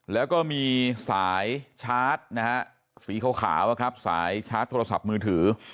แล้วก็มีสายชาร์จนะฮะสีขาวสายชาร์จโทรศัพท์มือถือ